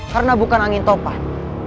karena bukan angin topan